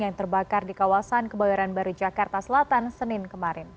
yang terbakar di kawasan kebayoran baru jakarta selatan senin kemarin